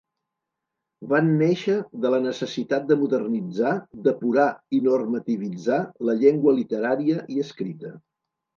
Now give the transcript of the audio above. Van néixer de la necessitat de modernitzar, depurar i normativitzar la llengua literària i escrita.